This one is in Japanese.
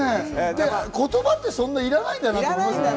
言葉ってそんないらないんだなって思いますね。